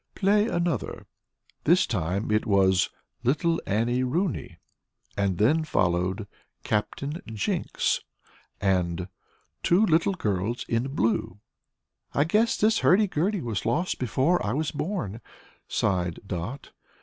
"Play another." This time the tune was "Little Annie Rooney," and then followed "Captain Jinks" and "Two Little Girls in Blue." "I guess this hurdy gurdy was lost before I was born," sighed Dot.